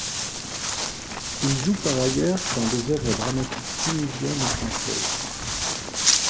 Il joue par ailleurs dans des œuvres dramatiques tunisiennes et françaises.